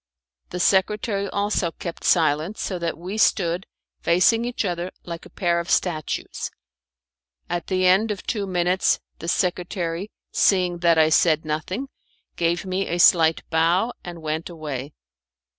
The secretary also kept silence, so that we stood facing each other like a pair of statues. At the end of two minutes, the secretary, seeing that I said nothing, gave me a slight bow, and went away.